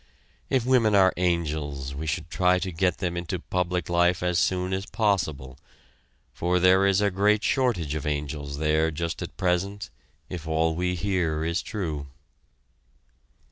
If women are angels we should try to get them into public life as soon as possible, for there is a great shortage of angels there just at present, if all we hear is true.